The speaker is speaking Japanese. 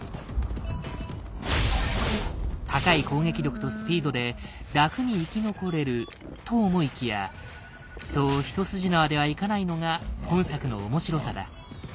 高い攻撃力とスピードで楽に生き残れると思いきやそう一筋縄ではいかないのが本作の面白さだ。